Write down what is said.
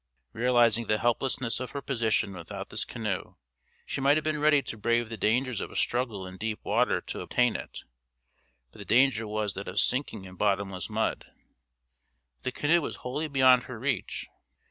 Realising the helplessness of her position without this canoe, she might have been ready to brave the dangers of a struggle in deep water to obtain it, but the danger was that of sinking in bottomless mud. The canoe was wholly beyond her reach.